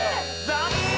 残念！